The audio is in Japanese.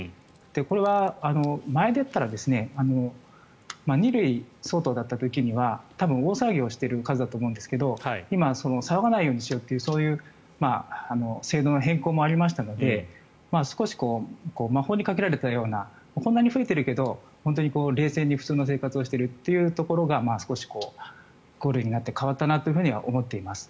これは前だったら２類相当だった時には多分、大騒ぎをしている数だと思うんですが今、騒がないようにしようというそういう制度の変更もありましたので少し、魔法にかけられたようなこんなに増えているけれど本当に冷静に普通の生活をしているというところが少し５類になって変わったなとは思っています。